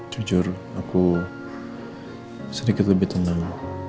jujur aku sedikit lebih tenang